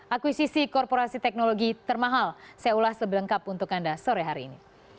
akuisisi korporasi teknologi termahal saya ulas lebih lengkap untuk anda sore hari ini